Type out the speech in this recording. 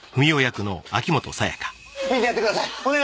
診てやってください